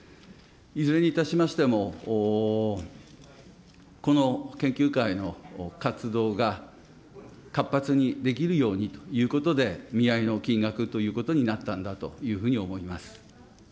いずれにいたしましても、この研究会の活動が活発にできるようにということで、みあいの金額ということになったんだというふうに思います。